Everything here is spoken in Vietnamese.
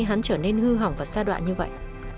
hắn trở nên hư hỏng và sa đoạn như vậy